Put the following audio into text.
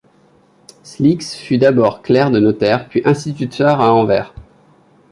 Sleeckx fut d’abord clerc de notaire, puis instituteur à Anvers.